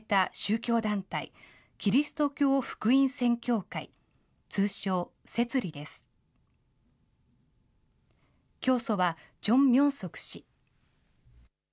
教祖はチョン・ミョンソク氏。